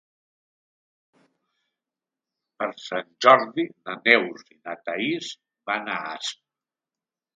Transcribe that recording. Per Sant Jordi na Neus i na Thaís van a Asp.